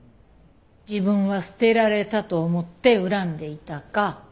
自分は捨てられたと思って恨んでいたか。